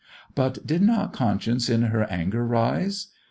"But did not conscience in her anger rise?"